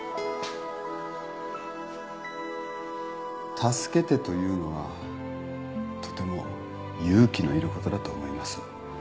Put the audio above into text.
「助けて」と言うのはとても勇気のいることだと思います。